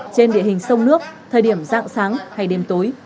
trên địa hình sông nước thời điểm dạng sáng hay đêm tối